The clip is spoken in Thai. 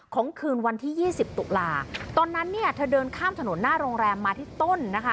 ของคืนวันที่๒๐ตุลาตอนนั้นเธอเดินข้ามถนนหน้าโรงแรมมาที่ต้น